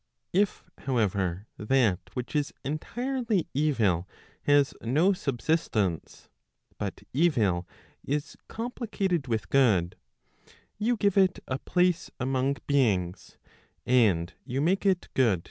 511 If however, that which is entirely evil has no subsistence, but evil is complicated with good, you give it a place among beings, and you make it good to other things.